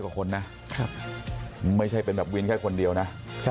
กว่าคนนะไม่ใช่เป็นแบบวินแค่คนเดียวนะ